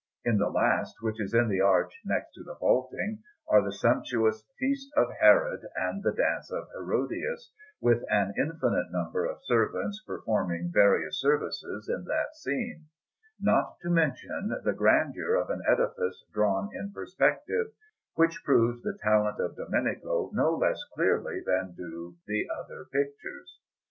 In the last, which is in the arch next to the vaulting, are the sumptuous Feast of Herod and the Dance of Herodias, with an infinite number of servants performing various services in that scene; not to mention the grandeur of an edifice drawn in perspective, which proves the talent of Domenico no less clearly than do the other pictures.